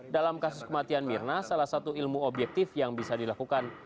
dalam kasus kematian mirna salah satu ilmu objektif yang bisa dilakukan